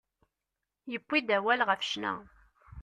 Yewwi-d awal ɣef ccna.